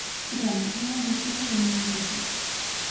Créame, non hai desorde de ningún tipo.